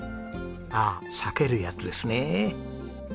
ああ裂けるやつですねえ。